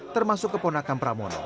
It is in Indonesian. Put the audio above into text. termasuk keponakan pramono